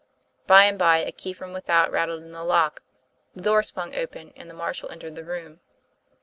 By and by, a key from without rattled in the lock, the door swung open, and the marshal entered the room.